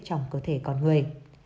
trong cơ thể con người